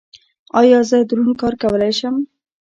ایا زه دروند کار کولی شم؟